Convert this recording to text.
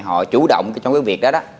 họ chủ động trong cái việc đó